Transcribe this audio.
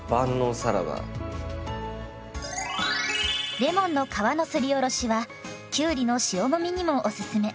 レモンの皮のすりおろしはきゅうりの塩もみにもおすすめ。